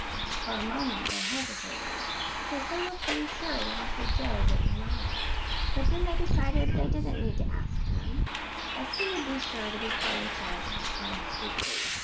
For a moment they hesitated because they were pretty sure that Uncle Joe wouldn't allow it; but then they decided that they needn't ask him, as he would be sure to be playing chess with Colonel Stookley.